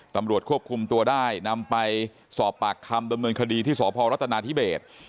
ตำรวจควบคุมตัวได้นำไปสอบปากคำดำเนินคดีที่สพรัฐนาธิเบศ